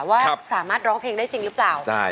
ว่าสามารถร้องเพลงได้จริงหรือเปล่า